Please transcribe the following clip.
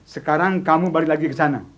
sekarang kamu balik lagi ke sana